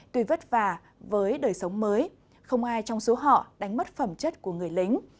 tuy vất vả với đời sống mới không ai trong số họ đánh mất phẩm chất của người lính